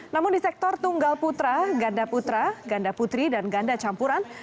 namun di sektor tunggal putra ganda putra ganda putri dan ganda campuran